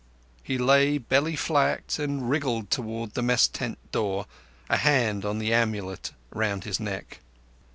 He lay belly flat and wriggled towards the Mess tent door, a hand on the amulet round his neck.